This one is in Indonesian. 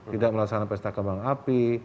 tidak melaksanakan pesta kembang api